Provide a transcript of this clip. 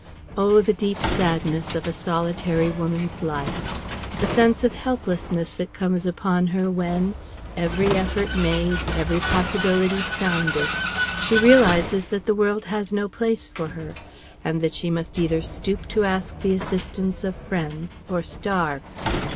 Oh, the deep sadness of a solitary woman's life! The sense of helplessness that comes upon her when every effort made, every possibility sounded, she realizes that the world has no place for her, and that she must either stoop to ask the assistance of friends or starve!